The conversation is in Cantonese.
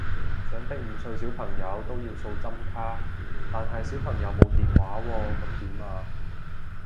想逼五歲小朋友都要掃針卡，但係小朋友冇電話喎噉點啊？